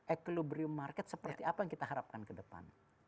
equilibrium market seperti apa yang kita harapkan ke depan